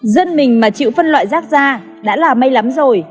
dân mình mà chịu phân loại rác ra đã là may lắm rồi